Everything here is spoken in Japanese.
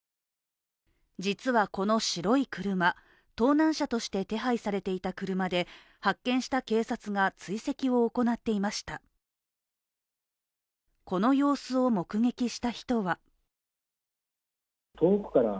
実はこの白い車盗難車として手配されていた車で発見した警察が追跡を行っていました。